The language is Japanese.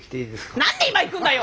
何で今行くんだよ！